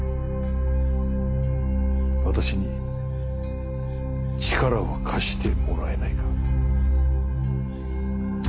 私に力を貸してもらえないか？